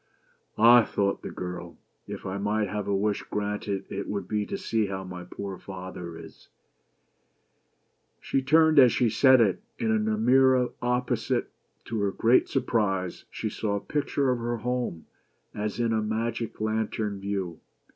" "Ah!" thought the poor girl, " If I might have a wish granted it would be to see how my poor father is." She turned as she said it ; and in a mirror opposite, to her great surprise* she saw a picture of her home, as in a magic lantern view.